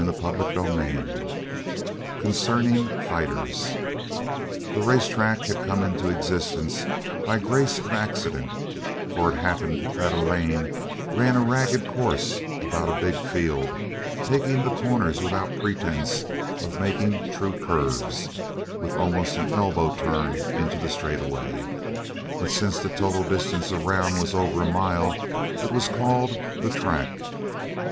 CHAPTER III CONCERNING FIGHTERS The race track had come into existence by grace of accident for it happened that a lane ran a ragged course about a big field taking the corners without pretense of making true curves, with almost an elbow turn into the straightaway; but since the total distance around was over a mile it was called the "track."